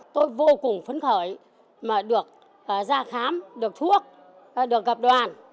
tôi vô cùng phấn khởi mà được ra khám được thuốc được gặp đoàn